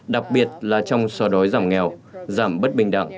đặc biệt là trong xóa đói giảm nghèo giảm bất bình đẳng